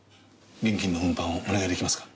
現金の運搬をお願い出来ますか？